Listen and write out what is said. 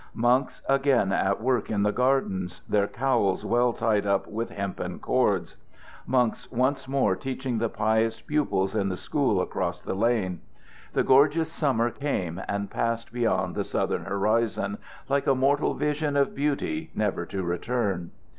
Monks again at work in the gardens, their cowls well tied up with hempen cords. Monks once more teaching the pious pupils in the school across the lane. The gorgeous summer came and passed beyond the southern horizon, like a mortal vision of beauty never to return.